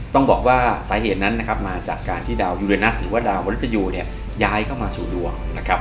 ต้องบอกว่าสาเหตุนั้นนะครับมาจากการที่ดาวยูเรนัสหรือว่าดาวมริตยูเนี่ยย้ายเข้ามาสู่ดวงนะครับ